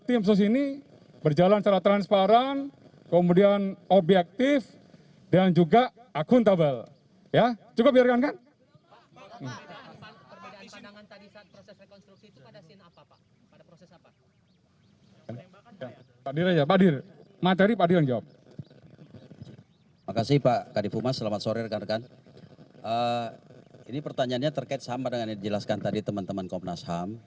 ini pertanyaannya terkait sama dengan yang dijelaskan tadi teman teman komnas ham